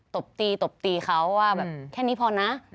ตบตีตบตีเขาว่าแบบแค่นี้พอนะ